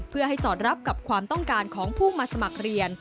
เพื่อให้สอดรับกับความต้องการของผู้มาสมัครเรียน